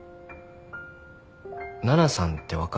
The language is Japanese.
奈々さんって分かる？